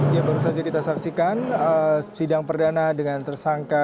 ya baru saja kita saksikan sidang perdana dengan tersangka